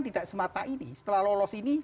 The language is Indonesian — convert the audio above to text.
tidak semata ini setelah lolos ini